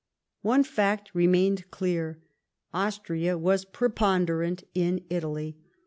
One fact remained clear ; Austria was pre ponderant in Italy.